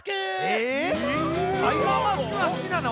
えタイガーマスクがすきなの？